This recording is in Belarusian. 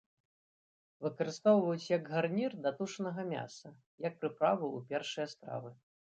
Выкарыстоўваюць як гарнір да тушанага мяса, як прыправу ў першыя стравы.